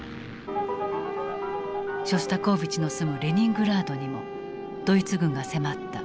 ショスタコーヴィチの住むレニングラードにもドイツ軍が迫った。